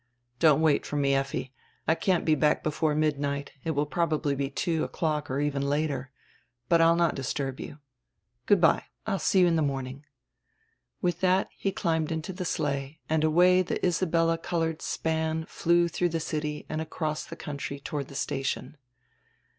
"Don't wait for me, Effi, I can't be back before midnight; it will probably be two o'clock or even later. But I'll not disturb you. Good by, I'll see you in die morning." With diat he climbed into the sleigh and away die Isabella colored span flew dirough die city and across die country toward die station.